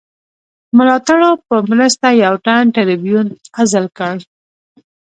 ملاتړو په مرسته یو تن ټربیون عزل کړ.